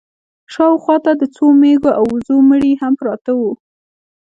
شا و خوا ته د څو مېږو او وزو مړي هم پراته وو.